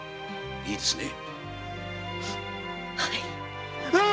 いいですね。